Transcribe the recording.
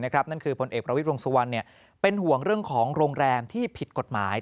นั่นคือผลเอกประวิทยวงสุวรรณเป็นห่วงเรื่องของโรงแรมที่ผิดกฎหมาย